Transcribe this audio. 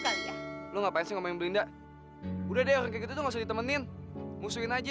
kali ya lu ngapain sih ngomong belinda udah deh gitu tuh ditemenin musuhin aja